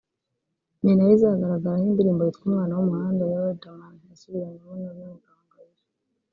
ni nayo izagaragaraho indirimbo yitwa ‘Umwana w’umuhanda’ [ya Riderman] yasubiranyemo na Aline Gahongayire